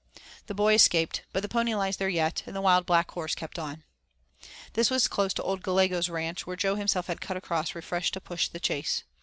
The boy escaped, but the pony lies there yet, and the wild Black Horse kept on. This was close to old Gallego's ranch where Jo himself had cut across refreshed to push the chase.